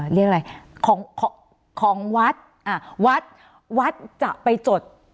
เรียกอะไรของของวัดอ่าวัดวัดจะไปจด